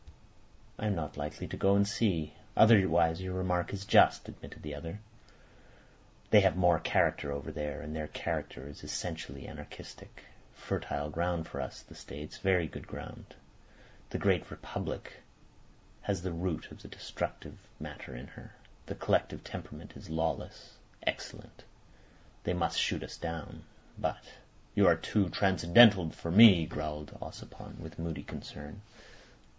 "I am not likely to go and see. Otherwise your remark is just," admitted the other. "They have more character over there, and their character is essentially anarchistic. Fertile ground for us, the States—very good ground. The great Republic has the root of the destructive matter in her. The collective temperament is lawless. Excellent. They may shoot us down, but—" "You are too transcendental for me," growled Ossipon, with moody concern.